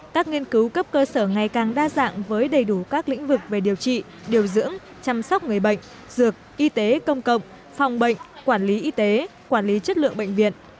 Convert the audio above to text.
các nghiên cứu cấp cơ sở ngày càng đa dạng với đầy đủ các lĩnh vực về điều trị điều dưỡng chăm sóc người bệnh dược y tế công cộng phòng bệnh quản lý y tế quản lý chất lượng bệnh viện